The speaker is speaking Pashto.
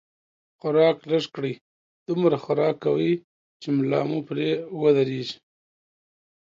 خوراک لږ کړئ، دومره خوراک کوئ، چې ملا مو پرې ودرېږي